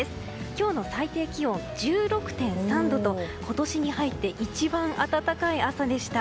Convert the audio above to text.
今日の最低気温は１６．３度と今年に入って一番暖かい朝でした。